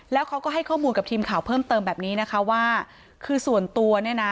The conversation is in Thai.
แล้วเขาก็ให้ข้อมูลกับทีมข่าวเพิ่มเติมแบบนี้นะคะว่าคือส่วนตัวเนี่ยนะ